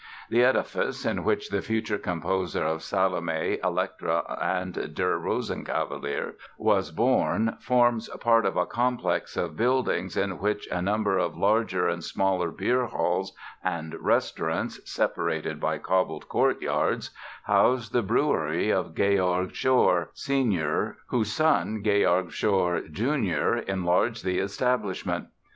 The edifice in which the future composer of Salome, Elektra and Der Rosenkavalier was born forms part of a complex of buildings in which a number of larger and smaller beer halls and restaurants, separated by cobbled courtyards, house the brewery of Georg Pschorr, senior, whose son, Georg Pschorr, junior, enlarged the establishment.